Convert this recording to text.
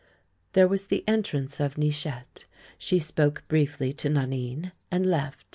There was the entrance of Nichette ; she spoke briefly to Nanine, and left.